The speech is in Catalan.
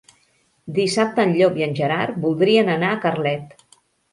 Dissabte en Llop i en Gerard voldrien anar a Carlet.